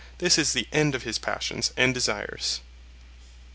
This is the end of his passions and desires.